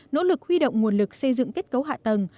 nỗ lực huy động nguồn lực xây dựng kết cấu hạ tầng